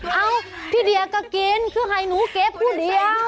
เอ้าพี่เดียก็กินคือให้หนูเก็บผู้เดียว